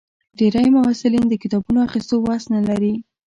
ډېری محصلین د کتابونو اخیستو وس نه لري.